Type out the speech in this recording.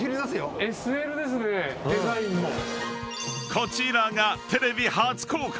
［こちらがテレビ初公開！］